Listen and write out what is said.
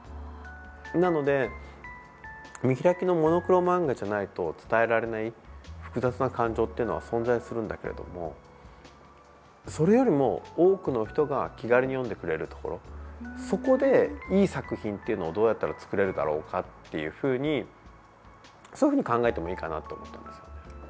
なので、見開きのモノクロ漫画じゃないと伝えられない複雑な感情っていうのは存在するんだけれどもそれよりも多くの人が気軽に読んでくれるところそこで、いい作品っていうのをどうやったら作れるだろうかっていうふうにそういうふうに考えてもいいかなと思ったんですよ。